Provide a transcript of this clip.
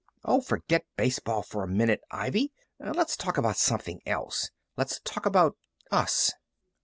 "Oh, forget baseball for a minute, Ivy! Let's talk about something else. Let's talk about us."